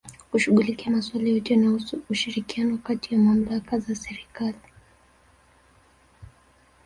Kushughulikia masula yote yanayohusu ushirikiano kati ya Malmaka za Serikali